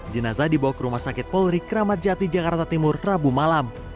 jenazah dibawa ke rumah sakit polri kramat jati jakarta timur rabu malam